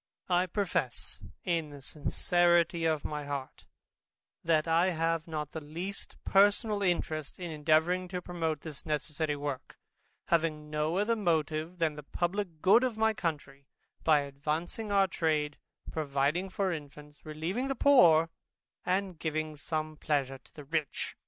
I profess in the sincerity of my heart, that I have not the least personal interest in endeavouring to promote this necessary work, having no other motive than the publick good of my country, by advancing our trade, providing for infants, relieving the poor, and giving some pleasure to the rich.